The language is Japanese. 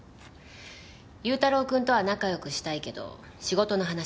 優太郎くんとは仲良くしたいけど仕事の話は別。